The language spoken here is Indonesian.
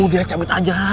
oh dia cabut aja